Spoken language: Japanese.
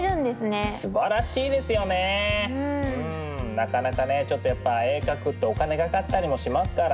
なかなかねちょっと絵を描くってお金かかったりもしますから。